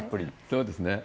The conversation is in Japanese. そうですね。